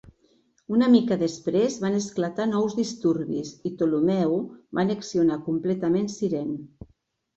Una mica després van esclatar nous disturbis i Ptolemeu va annexionar completament Cirene.